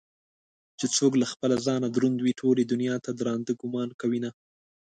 چې څوك له خپله ځانه دروند وي ټولې دنياته ددراندۀ ګومان كوينه